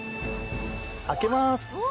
開けます。